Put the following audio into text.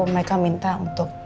mereka minta untuk